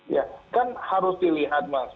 ya kan harus dilihat mas